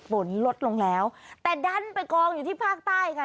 ฝนลดลงแล้วแต่ดันไปกองอยู่ที่ภาคใต้ค่ะ